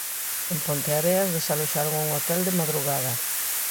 En Ponteareas desaloxaron un hotel de madrugada.